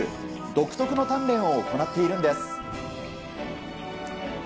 独特の鍛錬を行っているんです。